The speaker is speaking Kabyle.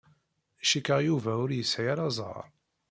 Cikkeɣ Yuba ur yesɛi ara zzheṛ.